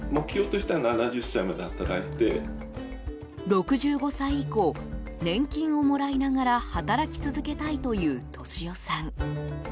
６５歳以降年金をもらいながら働き続けたいという敏雄さん。